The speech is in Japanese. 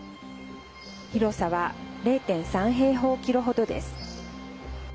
広さは０．３平方キロほどです。